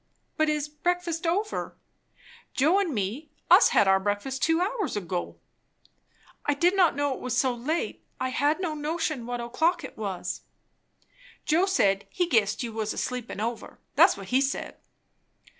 "But is breakfast over?" "Joe and me, us has had our breakfast two hours ago." "I did not know it was so late! I had no notion what o'clock it was." "Joe said, he guessed you was sleepin' over. That's what he said."